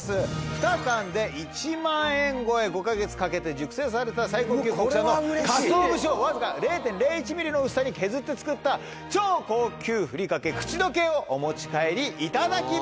２缶で１万円超え５か月かけて熟成された最高級国産のかつお節をわずか０．０１ｍｍの薄さに削って作った超高級ふりかけ「口どけ」をお持ち帰りいただきます！